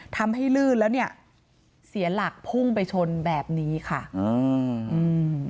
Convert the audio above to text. ลื่นแล้วเนี่ยเสียหลักพุ่งไปชนแบบนี้ค่ะอืม